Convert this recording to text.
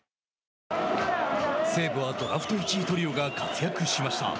西武はドラフト１位トリオが活躍しました。